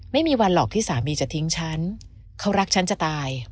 ไม่มีวันหรอกที่สามีจะทิ้งฉันเขารักฉันจะตาย